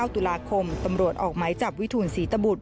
ตุลาคมตำรวจออกไม้จับวิทูลศรีตบุตร